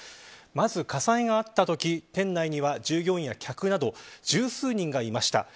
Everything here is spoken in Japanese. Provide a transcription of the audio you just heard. まず、火災があったとき店内には従業員や客など十数人がいました。